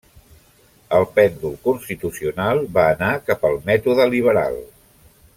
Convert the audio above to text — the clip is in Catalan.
El pèndol constitucional va anar cap al mètode liberal.